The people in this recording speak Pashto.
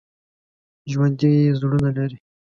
ژوندي زړونه لري